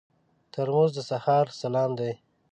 ترموز د سهار سلام دی.